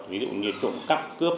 ví dụ như trộm cắp cướp